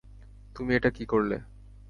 তুমি এটা কী করলে?